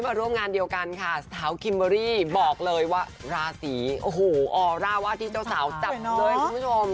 บอกเลยว่าราศรีโอ้โหออร่าว่าที่เจ้าสาวจับเลยคุณผู้ชม